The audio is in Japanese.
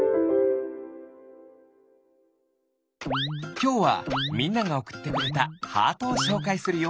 きょうはみんながおくってくれたハートをしょうかいするよ。